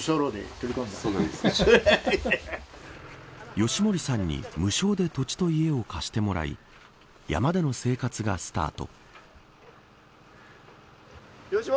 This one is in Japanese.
義守さんに無償で土地と家を貸してもらい山での生活がスタート。